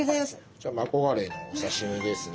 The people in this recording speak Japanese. こちらマコガレイのお刺身ですね。